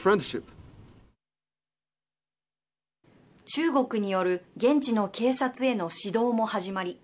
中国による現地の警察への指導も始まり